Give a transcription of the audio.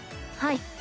はい。